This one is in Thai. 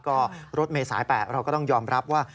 ก็รถเมษาย๘เราก็ต้องยอมรับว่า